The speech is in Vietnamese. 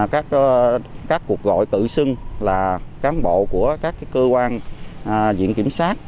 các cuộc gọi tự xưng là cán bộ của các cơ quan viện kiểm sát